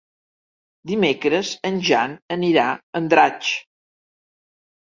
Dimecres en Jan anirà a Andratx.